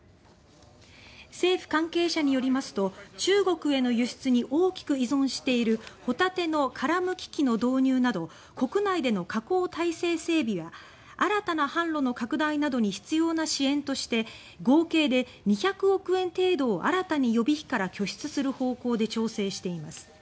政府関係者によりますと中国への輸出に大きく依存しているホタテの殻剥き機の導入など国内での加工体制整備や新たな販路の拡大などに必要な支援として合計で２００億円程度を新たに予備費から拠出する方向で調整しています。